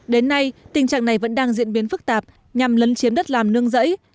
đến nay tình trạng này vẫn đang diễn biến phức tạp nhằm lấn chiếm đất làm nương rẫy